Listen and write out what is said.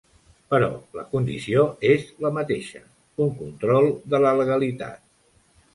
Però la condició és la mateixa, un control de la legalitat.